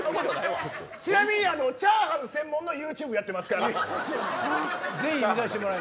ちなみにチャーハン専門のユーチューブやってますから。